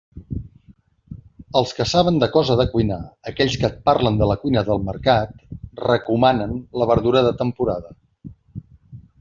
Els que saben de cosa de cuinar, aquells que et parlen de la cuina del mercat, recomanen la verdura de temporada.